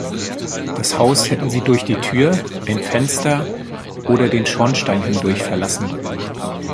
Das Haus hätten sie durch die Tür, ein Fenster oder den Schornstein hindurch verlassen.